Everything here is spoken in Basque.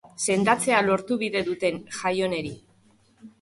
Sendatzea lortu bide duten Jaioneri.